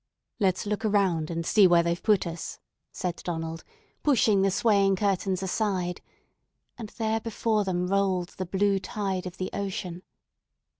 "Let's look around and see where they've put us," said Donald, pushing the swaying curtains aside; and there before them rolled the blue tide of the ocean.